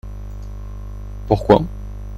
Pourquoi ?